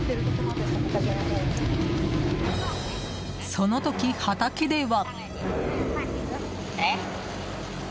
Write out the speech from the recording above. その時、畑では。